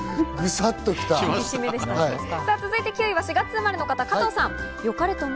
続いて９位は４月生まれの方、加藤さん。